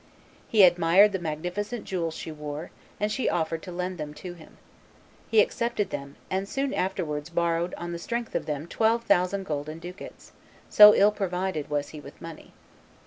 He admired the magnificent jewels she wore; and she offered to lend them to him. He accepted them, and soon afterwards borrowed on the strength of them twelve thousand golden ducats; so ill provided was he with money.